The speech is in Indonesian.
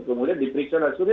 kemudian di periksa dan seterusnya